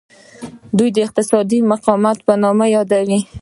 دوی اقتصاد د مقاومت په نوم یادوي.